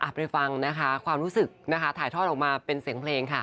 ไปฟังนะคะความรู้สึกนะคะถ่ายทอดออกมาเป็นเสียงเพลงค่ะ